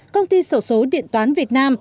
công ty sổ số điện toán việt nam